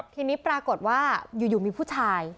ทีนี้ปรากฏว่าอยู่มีผู้ชาย